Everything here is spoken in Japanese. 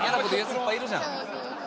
いっぱいいるじゃん。